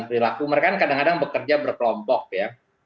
dan perilaku mereka kan kadang kadang bekerja berkelompok ya